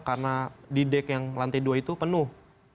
karena di dek yang lantai dua itu penuh